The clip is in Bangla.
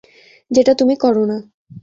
যেটা তুমি করো না।